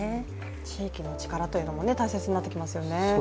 地域の力というのも大切になってきますね。